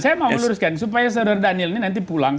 saya mau luruskan supaya saudara daniel ini nanti pulang